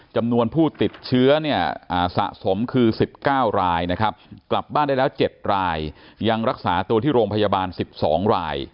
จำนวนผู้ติดเชื้อเนี่ยสะสมคือ๑๙รายนะครับกลับบ้านได้แล้ว๗รายยังรักษาตัวที่โรงพยาบาล๑๒ราย